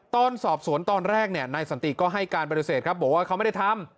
ตอนสอบสวนตอนแรกนายสันติก็ให้การปฏิเสธครับบอกว่าเขาไม่ได้ทำ